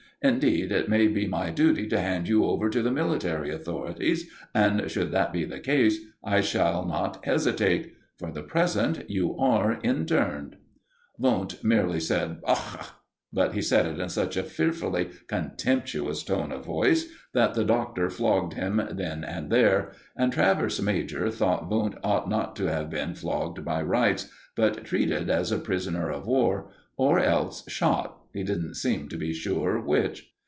Indeed, it may be my duty to hand you over to the military authorities, and, should that be the case, I shall not hesitate. For the present you are interned." Wundt merely said "Ach!" but he said it in such a fearfully contemptuous tone of voice that the Doctor flogged him then and there; and Travers major thought Wundt ought not to have been flogged by rights, but treated as a prisoner of war, or else shot he didn't seem to be sure which.